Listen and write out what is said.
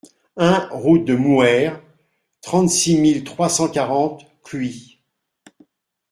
un route de Mouhers, trente-six mille trois cent quarante Cluis